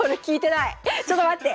ちょっと待って！